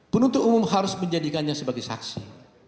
penuntut umum harus menjadikannya sebagai saksi